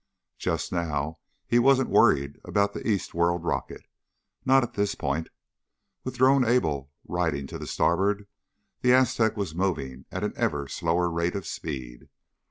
Just now he wasn't worrying about the East World rocket. Not at this point. With Drone Able riding to starboard, the Aztec was moving at an ever slower rate of speed.